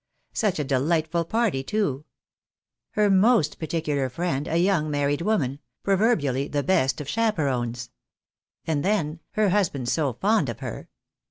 Such a dehghtful party too ! Her most particular friend, a young married woman ! proverbially the best of chaperons ! And then, her husband so fond of her